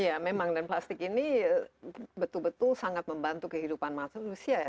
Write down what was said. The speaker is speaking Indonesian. iya memang dan plastik ini betul betul sangat membantu kehidupan manusia ya